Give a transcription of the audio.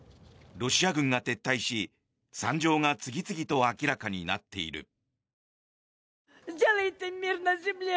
ロシア軍が撤退し、惨状が次々と明らかになっている。